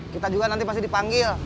kita juga nanti masih dipanggil